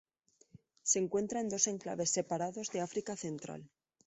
Se encuentra en dos enclaves separados de África central.